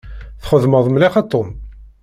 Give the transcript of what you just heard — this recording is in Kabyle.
Txedmeḍ mliḥ a Tom.